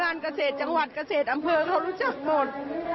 สำนักงานเกษตรจังหวัดเกษตรอำเภอเรารู้จักหมด